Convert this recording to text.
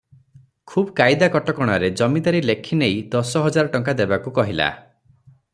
ଖୁବ୍ କାଏଦା କଟକଣାରେ ଜମିଦରୀ ଲେଖି ନେଇ ଦଶ ହଜାର ଟଙ୍କା ଦେବାକୁ କହିଲା ।